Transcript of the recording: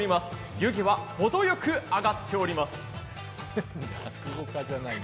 湯気はほどよく上がっております。